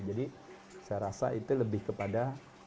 jadi saya rasa itu lebih kepada